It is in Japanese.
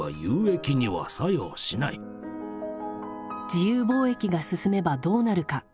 自由貿易が進めばどうなるか。